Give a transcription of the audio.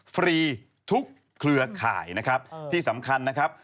ฟรีทุกเครือข่ายนะครับที่สำคัญนะครับ